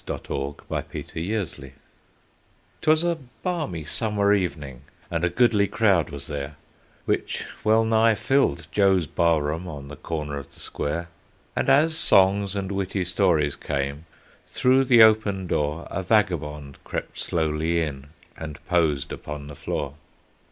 Y Z The Face on the Barroom Floor 'TWAS a balmy summer evening, and a goodly crowd was there, Which well nigh filled Joe's barroom, on the corner of the square; And as songs and witty stories came through the open door, A vagabond crept slowly in and posed upon the floor.